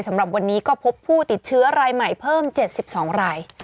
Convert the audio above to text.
สำหรับวันนี้ก็พบผู้ติดเชื้อรายใหม่เพิ่ม๗๒ราย